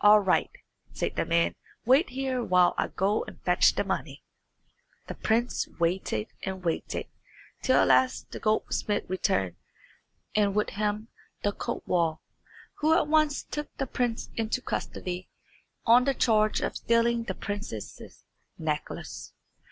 "All right," said the man; "wait here while I go and fetch the money." The prince waited and waited, till at last the goldsmith returned, and with him the kotwal, who at once took the prince into custody on the charge of stealing the princess's necklace.